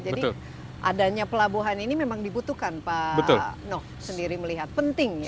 jadi adanya pelabuhan ini memang dibutuhkan pak noh sendiri melihat penting ya